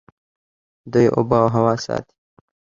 دوی اوبه او هوا ساتي.